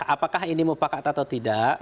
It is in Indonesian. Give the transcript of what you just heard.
apakah ini mupakat atau tidak